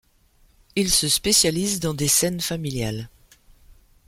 Il se spécialise dans des scènes familiales.